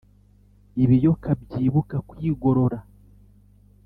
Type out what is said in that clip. Ibiyoka byibuka kwigorora